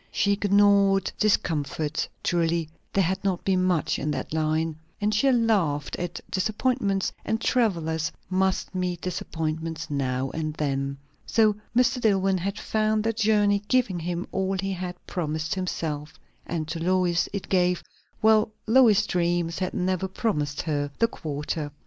She ignored discomforts (truly there had not been much in that line), and she laughed at disappointments; and travellers must meet disappointments now and then. So Mr. Dillwyn had found the journey giving him all he had promised himself; and to Lois it gave well Lois's dreams had never promised her the quarter.